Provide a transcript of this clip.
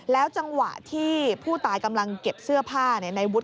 จังหวะที่ผู้ตายกำลังเก็บเสื้อผ้าในวุฒิ